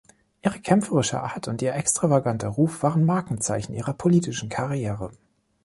Ihre kämpferische Art und ihr extravaganter Ruf waren Markenzeichen ihrer politischen Karriere.